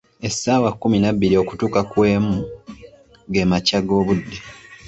Essaawa kkumi nabbiri okutuuka ku emu , ge makya g'obudde.